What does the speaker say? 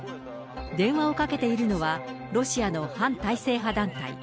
電話をかけているのは、ロシアの反体制派団体。